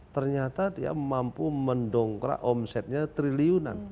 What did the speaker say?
ternyata dia mampu mendongkrak omsetnya triliunan